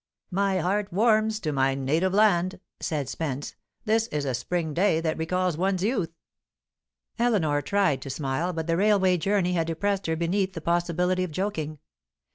"My heart warms to my native land," said Spence. "This is a spring day that recalls one's youth." Eleanor tried to smile, but the railway journey had depressed her beneath the possibility of joking.